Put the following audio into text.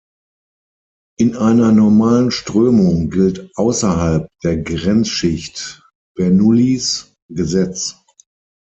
In einer normalen Strömung gilt "außerhalb" der Grenzschicht Bernoullis Gesetz.